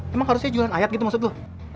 emang harusnya jualan ayat gitu maksud lo